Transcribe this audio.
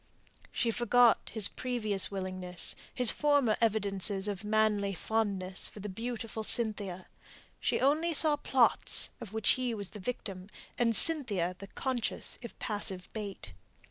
She forgot his previous willingness, his former evidences of manly fondness for the beautiful Cynthia; she only saw plots of which he was the victim, and Cynthia the conscious if passive bait.